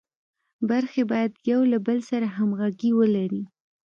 برخې باید یو له بل سره همغږي ولري.